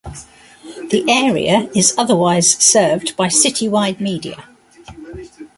The area is otherwise served by citywide media.